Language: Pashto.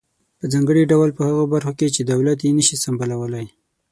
په ځانګړي ډول په هغه برخو کې چې دولت یې نشي سمبالولای.